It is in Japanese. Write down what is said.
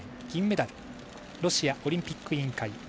銀メダルロシアオリンピック委員会